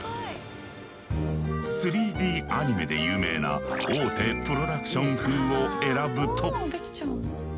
３Ｄアニメで有名な大手プロダクション風を選ぶと。